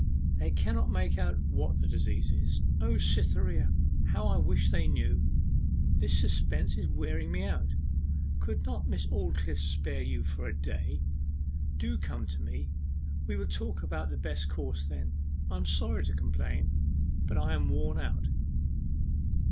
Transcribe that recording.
They cannot make out what the disease is. O Cytherea! how I wish they knew! This suspense is wearing me out. Could not Miss Aldclyffe spare you for a day? Do come to me. We will talk about the best course then. I am sorry to complain, but I am worn out.